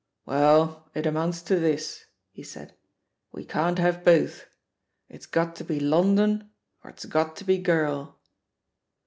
"Well, it amounts to this," he said, "we can't have both! It's got to be 'London' or it's got to be *Girl.'